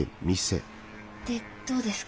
でどうですか？